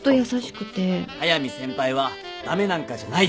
速見先輩は駄目なんかじゃないです！